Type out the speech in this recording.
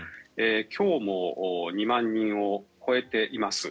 今日も２万人を超えています。